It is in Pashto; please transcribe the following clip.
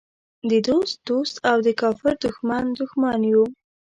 د دوست دوست او د کافر دښمن دښمن یو.